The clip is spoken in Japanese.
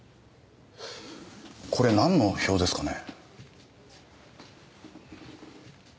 これなんの表ですかね？